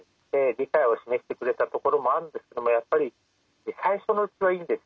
理解を示してくれたところもあるんですけどもやっぱり最初のうちはいいんです。